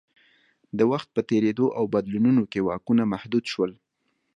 د وخت په تېرېدو او بدلونونو کې واکونه محدود شول